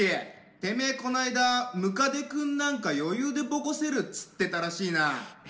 てめえこの間「ムカデ君なんか余裕でボコせる」っつってたらしいな。